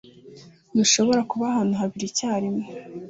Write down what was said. Ntushobora kuba ahantu habiri icyarimwe